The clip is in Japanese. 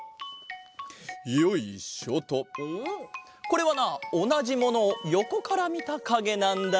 これはなおなじものをよこからみたかげなんだ。